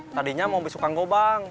tadinya mau besuk kang gobang